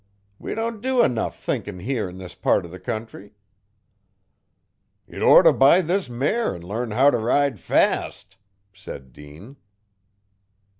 We don't do enough thinkin' here in this part o' the country.' 'Yd orter buy this mare an learn how t' ride fast,' said Dean.